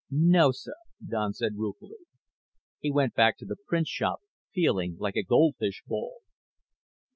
"No, sir," Don said ruefully. He went back to the printshop, feeling like a goldfish bowl.